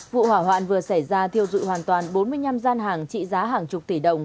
vụ hỏa hoạn vừa xảy ra thiêu dụi hoàn toàn bốn mươi năm gian hàng trị giá hàng chục tỷ đồng